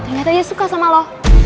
ternyata dia suka sama lo